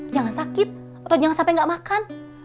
jangan sakit atau jangan sampe gak makan